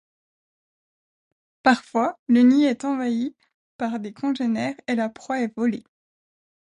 Parfois, le nid est envahi par des congénères et la proie est volée.